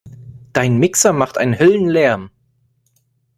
Dein Mixer macht einen Höllenlärm!